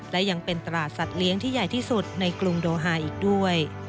และยังเป็นตลาดสัตว์เลี้ยงที่ใหญ่ที่สุดในกรุงโดฮาอีกด้วย